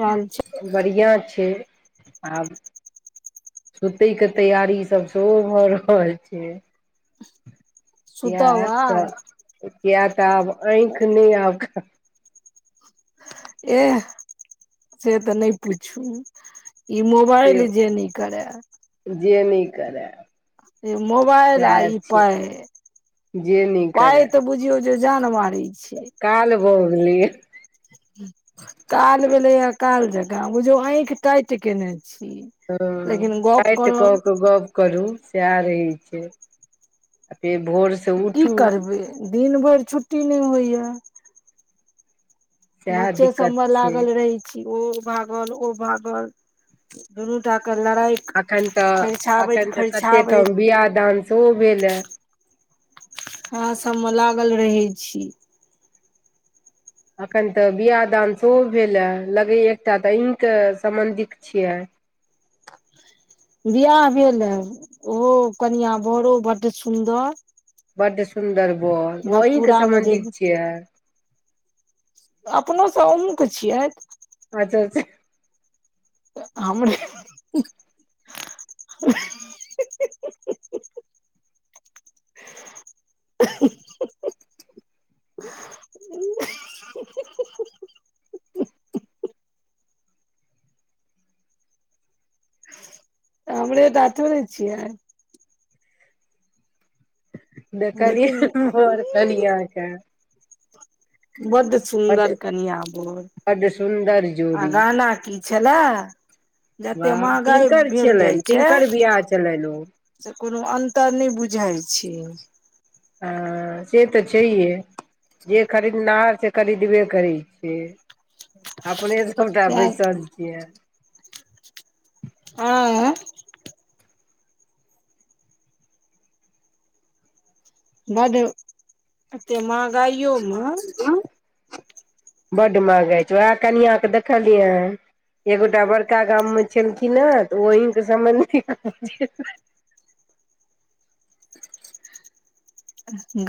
रहल छै बढ़िआँ छै आब सुतयके तैयारीसभ सेहो भऽ रहल छै य सुतब तऽ आब क तऽ आब आऐंखि नहि आबक ए से तऽ नहि पूछू ई से मोबाइल जे न करै जे नहि करै ई मोबाल आ ई पइ जे नहि पाय करय तऽ बुझियौ जे जान मारै छै बलियै काल भेलैया काल जकाँ बुझो आँखि टट के ने ह काटि कऽ कऽ गप करू स रहै छै आ फेर भोर से की उठू करबै दिन भरि छुट्टी नहि होइये। सएह बच्चे सब दिक्कत मे छै लागल रहय छी। ओ भागल ओ भागल दुनू कात। अखैन तऽ अखैन तऽ कते क फरिछाबैत बियाह दान सेहो भेल ये। हाँ सभमे लागल रहय छी। एखन तऽ बियाह दान सेहो भेल ए लगैये एकटा तऽ अहींके सम्बन्धित छियै। [inaudible] वियाह भेल ए ओहो कनिया बड़ो बड्ड सुन्दर बड्ड सुन्दर बर ओ अहींके भतपुरा मे जे सम्बन्धिक छियै अपनो तौ नीक छियै। हँसय छैय। हमरे अहहें। हीं-हीं-हीं-हीं ह हं-हं-ह-ह [unintelligible] हमरे टा थोड़े छियै। देखलियै लेकिन हह बड़ कनिया के। बड बड्ड सुन्दर कनिया बर बड्ड सुन्दर आ जोड़ी गाना की छलय जतेक वाह मंहगाई किनकर भेल जाय छलनि छैय किनकर बियाह छलनि ओ से कोनो अन्तर नहि बुझाय छैय। ह से तऽ छैेहे। जे खरीदनहार से खरीदबे करै छियै अपने सभटा सएह बैसल छियै। आंय। बड एते मंहगाइयो मे बड्ड मंहगाइ छैय वैह कनिया के देखलियैै? एगोटा बड़का गाममे छलखिन हेँ तऽ ओहीके सम्बन्धी कहय छियै। [inaudible]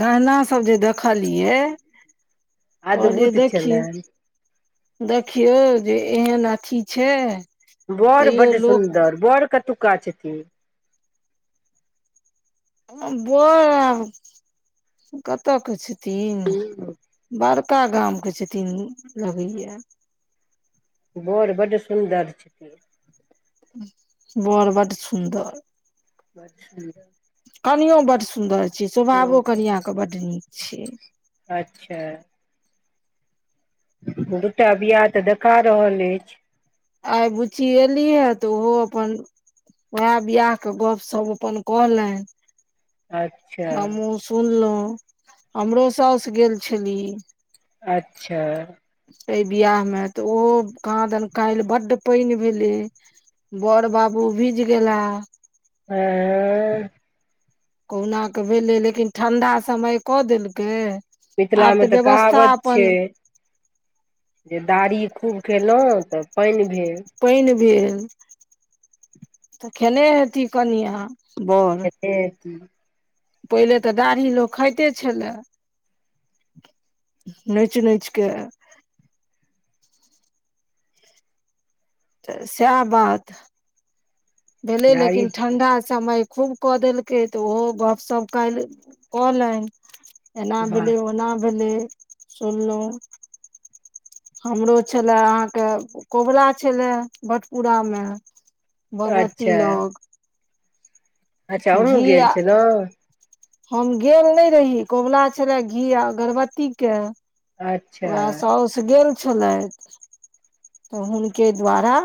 गहना सब जे दे खलियै कहलियै अद्भुत देखियौ। छलनि देखियौ जे एहन अथी छैय। बड़ बड्ड सुन्दर बड़ कतुक्का छथिन्ह? बड़ कतऽ के छथिन्ह। बड़का गामके छथिन्ह लगैये। बड़ बड्ड सुन्दर छथिन्ह। बड़ बड सुन्दर। [inaudible] कनियो बड्ड सुन्दर छैय स्वभावो कनिआँके बड नीक छैय। अच्छऽ। दू टा बिआाह तऽ देखा रहल अछि। आइ बुच्ची एली हें तऽ ओहो अपन वैह बिआाह के गपसप अपन कहलनि। अच्छा हमहूँ सुनलहुँ हमरो साास गेल छली। अच्छऽ एहि बिियाह मे तऽ ओहो कहाँ दन काल्हि बड्ड पानि भेलै बड़ बाबू भीज गेला हँ कहुना कऽ भेलै लेकिन ठंडा समय कऽ देलकै आब मिथिलामे तऽ व्यवस्था कहावत छै अपन जे दाढ़ी खूब खयलहुँ तऽ पानि भेल पानि भेल तऽ खेने हेती कनआ अे पहिले तऽ दाढ़ी लोक खाइते छलए नोच नोचकेऽ तऽ सह बात भेलै दाढ़ी लेकिन ठण्डा समय खूब कऽ देलकै तऽ ओहो गपशप काल कलनि एना भा भेलले ओना भेलले सुललहु हमरो छलय अहाँके कोबला छलय बटपुरामे भगवती अच्छा लग अच्छा हमहुू घी गेल आ छ तऽ हम गेल नहि रहि कमला छलै घी आ गर्भवतीके उएह अच्छा सासस गेल छलथि तऽ हुनके द्वारा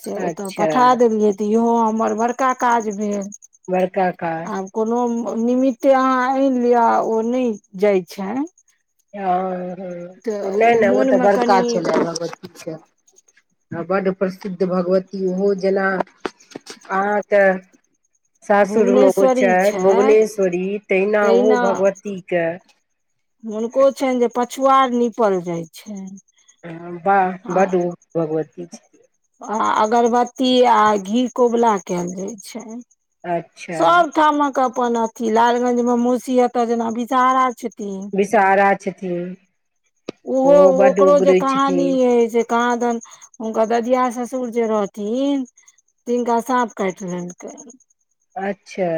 से ओतऽ अच्छा पठा देलियै तऽ इहो हमर बड़का काज भेल वर्कााक आब कोनो निमित्ते अहाँ आनि लिअ ओ नहि जाइ छै हँ ह नहि नहि ओ तऽ मोनमे बड़का कनि छलगभग आ बड प्रसिद्ध भगवती ओहो जेना हँ तऽ भुवनेश्वरी सासुरमेगोचर छथि भुवनेश्वरी तहिना ओ भगवतीके हुनको छनि जे पछुआर नीपल जाइ छनि ह आ आ अगरबत्ती आ घी कोबला कयल जाय छै अच्छा सब ठामक अपन अथिी लालगंज मे मुसीहत जेना विषहारा छै विषहारा छथिन ओहो बड्ड ओो जे उगरै छथिन कही काँादन हुनकर ददिया ससुर जे रहथिन तिंग साँप कट रह अच्छा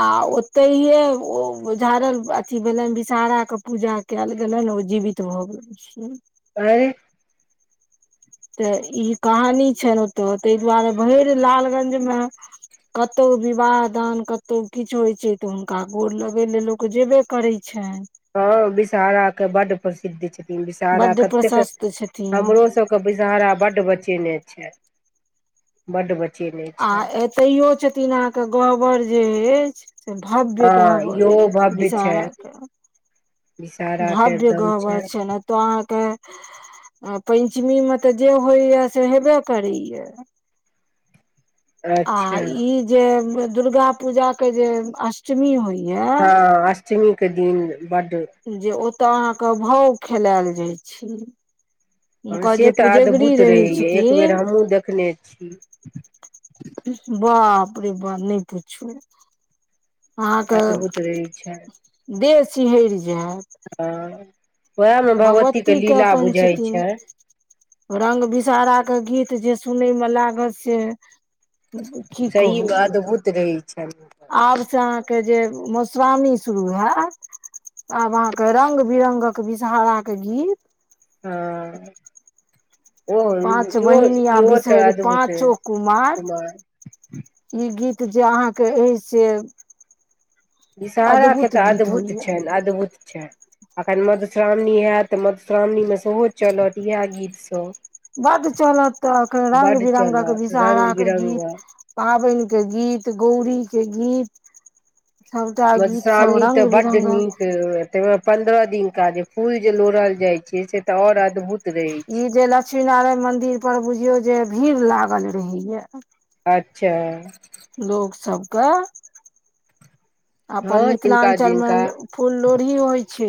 आ ओतेहिे ओ झड़ल अथी भेलनि विषहरा के पूजा कयल गेलनि जीवित भग गेल आर तऽ ई कहानी छनि ओतऽ ताहि दुआरे भरि लालगंजमे कतहु विवाह दान कतहु किछु होइ छै तऽ हुनका गोर लगे ल लोक जेबे करैत छै हँ बि सहारा के ब्ड प्रसिद्ध छै विषहरा बड्ड कतेक प्रशस्त छथिन हमरो सबके विषहरा बड्ड बचेने छै बड्ड ब्चे आ एतहियो छथिन अहाँके गबर जे अछि से भव्य कहय हँ पड़ै इहो छै भव्य विषारा के विषहारा के भाव्य एकदम गब छै ने तऽ अहाँके आ पैञ्चमीमे तऽ जे होइए से हेबे करैए। आ अच्छा ई जे दुर्गा पूजा के जे अष्टमी होइ- तऽ अष्टमी के दिन बड्ड जे ओतय अहाँके भाव खेलायल जाइ छै। हँ हुनकर से जे तऽ पुजगरी अद्भुत रहै रहैए। एक बेर छथिन हमहूँ देखने छी। बाप रे बाप नै पूछू। अहाँके अद्भुत रहै देह शिहैर आँ भगवती के अपन छथिन छै रंग बिषहरा के गीत जे सुनैमे लागत से की सही कहू? मे अद्भुत रहै छनि आब से अहाँके जे मोश्रामणी शुरू हैत। आब अहाँके रंग बिरंगक विषहाराके गीत- हँ ओ ई पांच इहो बहिन या इहो तऽ बिसहरि अदभूते पांचो कुमार ई गीत जे अहाँके अइ से विषहहाराके अद्भुत तऽ गीत अद्भुत होइया छनि अद्भुत छनि। एखन मधुश्रावणी हैत मधुश्रावणीमे सेहो चलत यैह गीतसब। बड्ड चलत तऽ एखन रंग बिरंगक चलत रंग विषहाराक गीत। बिरंगक पाबनि के गीत गौरी के गीत। सबटा गीत सब मधुश्रावणी तऽ रंग बड्ड बिरंगक नीक तै मे पन्द्रह दिनका जे फूल जे लोड़ल जाइ छै से तऽ और अद्भुत। रहै ई जे लक्ष्मी नारायण मन्दिर पर बुझियौ जे भीड़ लागल रहैये। अच्छा लोक सबके अपन हँ जिनका मिथिलाञ्चलमे जिनका फूल लोर्ही होइ छै।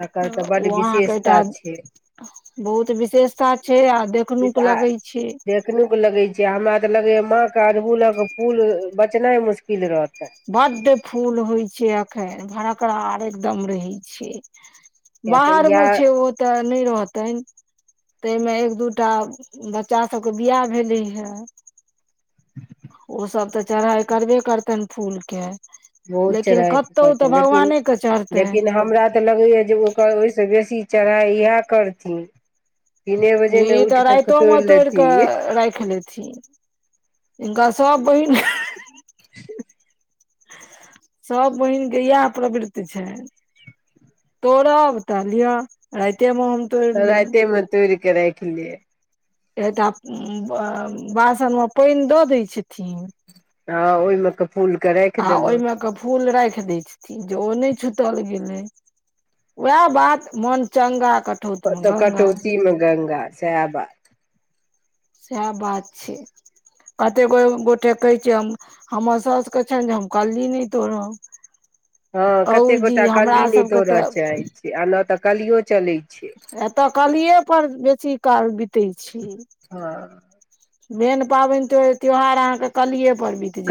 तकर बड ओ अहाँके एकटा विशेषता छै बहुत विशेषता छै आ देखनुक आ लगै छै। लगैये माँ के अरहूलक फूल बचनाइ मुश्किल रहत। बड्ड फूल होइ छै अखैन। भड़करार एकदम रहै छै। किया तऽ बाहरमे इएह छै ओ तऽ नै रहतनि। तैमे एक दू टा बच्चा सभके बियाह भेलै हेँ। ओ सब तऽ चढ़ाई करबे करतनि फूल के। बहुत लेकिन चर्हाइ कतौ तऽ करतनि लेकिन भगवाने के लेकिन चढ़तनि हमरा तऽ लगैए जे ओकर ओहिसँ बेसी चर्हाइ यैह करथिन। तीने बजे ने ई तऽ उठि कऽ राइतो मे तोड़ि कऽ लेथिन राखि लेथिन। हिनका सभ बहिन [unintelligible] सभ बहिन के यैह प्रवृति छैन। तोड़ब तऽ लिअ राइतेमे हम तोड़ि लेब। राइते मे तोड़ि के राइख ले एकटा ब बासनमे पानि दऽ दै छथिन। हँ ओहि मे कऽ आ ओइमे कऽ फूल राखि दै छथिन्ह, जे ओ नै छूतल गेलै। वैह बात मन चङ्गा तऽ कटौतीमे गङ्गा सैह बात- सैह बात छै‌ कतेक गो गोटे कहै छै हम हमर सौस के छनि जे हम कल्ली नहि तोड़ब। हँ औ कते जी गोटा हमरा कल्ली नहि सबके तोड़ऽ तऽ चाहै छै। आ ने तऽ कलियो चलै छै। एतऽ कलिए पर बेसी काल बितै छी। हँ मेन पाबनि तो त्यौहार अहाँके कलिए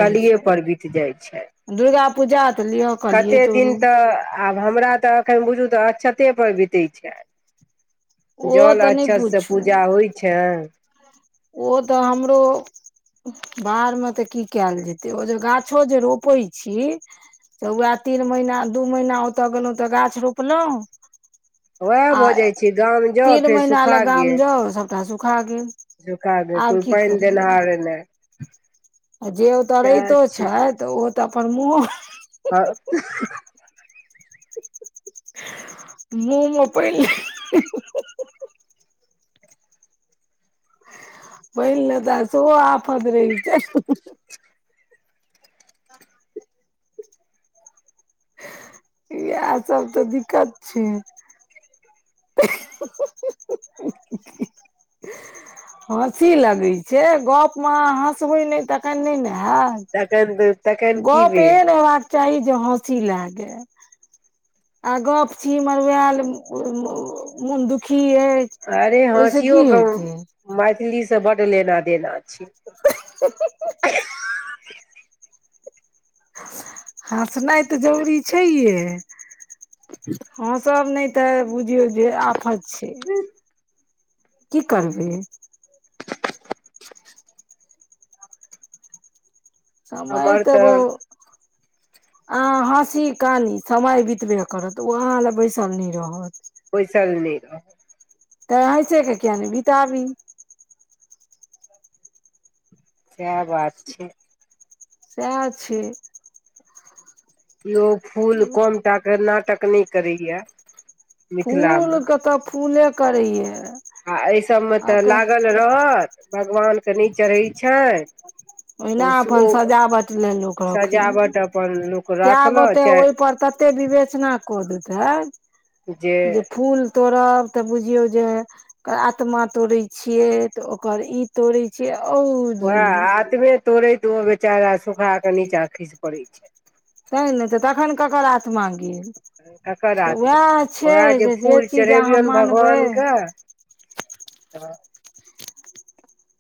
कलिए पर बित जाइ छै। दुर्गा पूजा तऽ लिअ कलिये कतेक दिन तोड़ू तऽ आब हमरा तऽ एखन बुझू तऽ अक्षत ते पर बितै छनि। ओ जल तऽ नहि अक्षत से पूछू पूजा होइ छनि‌। ओ तऽ हमरो बाहरमे तऽ की कैल जेतै? ओ जे गाछो जे रोपै छी तऽ वैह तीन महीना दू महीना ओतऽ गेलहुँ तऽ गाछ रोपलहुँ। वएह आ भऽ जाइ छै गाम जाउ तीन फेर महिना सुखा लऽ गाम गेल जाउ सबटा सुख सुखा गे कोइ पानि करबै देनहारे ने। आ जे ओतऽ रहितो छैथ ओ तऽ अपन मूह आ [unintelligible] मूँह मे पानि ले पाइन लेता सेहो आफत रहै छनि। यैह सभ तऽ दिक्कत छै। [unintelligible] हँसी लगै छै। गप मे अहाँ हँसबै नहि तखन नहि ने हँ तखन तखन की गऽप भेल एहन होेबाक चाही- जे हँसी लागे। आ गप छी मरुवैल मन दुखी अछि अरे ओहिसँ हँसियो की क हेतै मैथिली तऽ बड लेना देना छै। हँसनाइ तऽ जरूरी छै ये। हँसब नहि तऽ बुझियौ जे आफत छै। की करबै? समय हमर के ब तऽ आहाँ हँसी कानी समय बितबे करत ओ अहाँ ले बैसल नहि रहत। बैसल नै रह। तऽ हैँसे कऽ किया ने बिताबी? वैह बात छै। सेहा छै। कियो फूल कोमटा के नाटक नहि करैए। फूल के तऽ फूले करैये। आ एहि सभमे तऽ आके लागल रहत। भगवानके नहि चढ़ै छनि‌। ओहिना अपन सजावट ले लोक रखैये। सजावट अपन लोक कै राखलक गोटे ओहि चाहे पर तऽ कते बिवेचना कऽ देतनि। जे फूल तोड़ब तऽ बुझियौ- जे आत्मा तोड़े छियै तऽ ओकर ई तोड़े छियै औ- जी वैह आत्मे तोड़ैत ओ बेचारा सुखा कऽ बेचारा नीचाँ खैस पड़ैत छै। तै ने तऽ तखन ककर आत्मा गेल। ककर तऽ आत्मा उएह के? छै उहे जे फूल चीज अहाँ चढ़ेलियनि मानबै भगवानके। हाँ।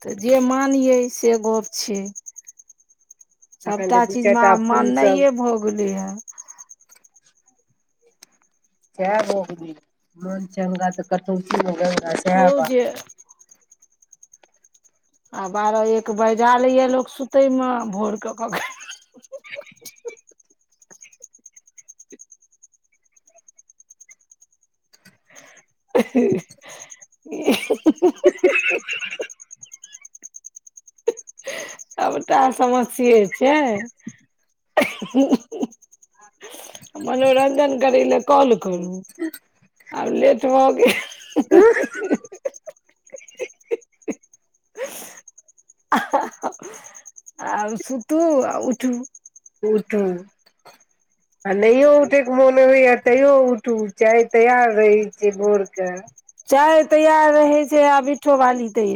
तऽ जे मानियै से गप्प छियै। तखन सबटा जे दू चारि चीजमे टा आब फूल सब माननाईयै भऽ गेलै हेँ। सेहै भऽ गेलै यै मोन चंगा तऽ कठो ती मे गंगा सैह देखियौ बात जे आ बारऽ एक बजा लै यै लोक सुतयमे भोर कऽ कखैन [unintelligible] सबटा समस्ये छै। [unintelligible] मनोरंजन करय ले कॉल करू आब लेट भऽ गेल। [unintelligible] आ हा ह आब सुतू अ उठू। उ तऽ आ नहियो उठे के मोन होय यै। तैयो उठू चाय तैयार रहै छै भोर के। चाय तैयार रहै छै आ बिठो बाली तैया